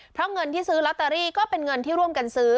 เพราะเงินที่ซื้อลอตเตอรี่ก็เป็นเงินที่ร่วมกันซื้อ